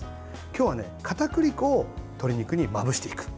今日はかたくり粉を鶏肉にまぶしていく。